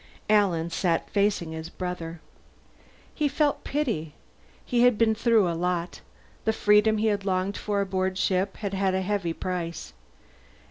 Alan sat facing his brother. He felt pity. Steve had been through a lot; the freedom he had longed for aboard ship had had a heavy price.